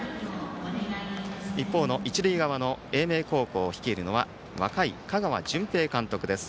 一方の一塁側の英明高校を率いるのは若い香川純平監督です。